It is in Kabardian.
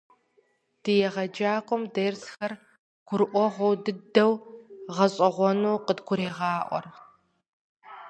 Ди егъэджакӀуэм дерсхэр гурыӀуэгъуэ дыдэу, гъэщӀэгъуэну къыдгурегъаӀуэр.